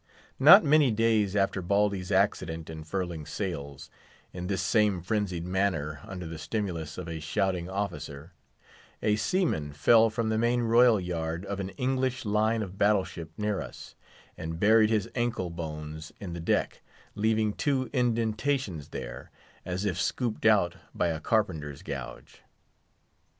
Not many days after Baldy's accident in furling sails—in this same frenzied manner, under the stimulus of a shouting officer—a seaman fell from the main royal yard of an English line of battle ship near us, and buried his ankle bones in the deck, leaving two indentations there, as if scooped out by a carpenter's gouge.